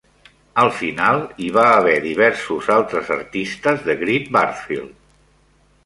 Al final hi va haver diversos altres artistes de Great Bardfield.